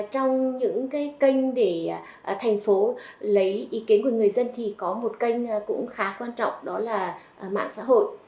trong những kênh để thành phố lấy ý kiến của người dân thì có một kênh cũng khá quan trọng đó là mạng xã hội